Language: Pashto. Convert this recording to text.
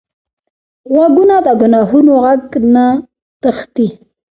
غوږونه د ګناهونو غږ نه تښتي